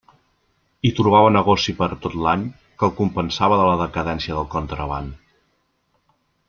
Hi trobava negoci per a tot l'any, que el compensava de la decadència del contraban.